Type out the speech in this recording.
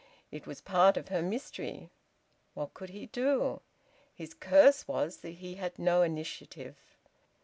It was part of her mystery. What could he do? His curse was that he had no initiative.